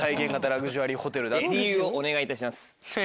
理由をお願いいたします。